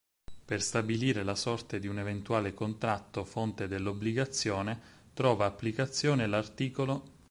Per stabilire la sorte di un eventuale contratto fonte dell'obbligazione trova applicazione l'art.